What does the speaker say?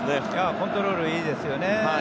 コントロールいいですよね。